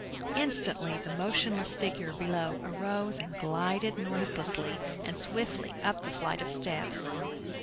Instantly the motionless figure below arose and glided noiselessly and swiftly up the flight of steps.